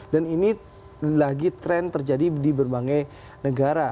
dan ini lagi tren terjadi di berbagai negara